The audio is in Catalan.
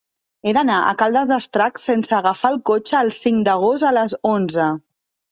He d'anar a Caldes d'Estrac sense agafar el cotxe el cinc d'agost a les onze.